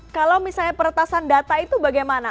kalau misalnya peretasan data itu bagaimana